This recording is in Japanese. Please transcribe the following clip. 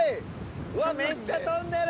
うわめっちゃ飛んでる！